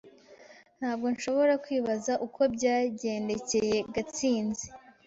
Ntabwo nshobora kwibaza uko byagendekeye Gatsinzi.